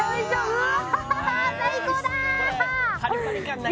うわ！